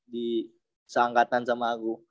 di seangkatan sama aku